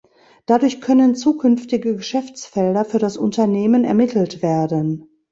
Dadurch können zukünftige Geschäftsfelder für das Unternehmen ermittelt werden.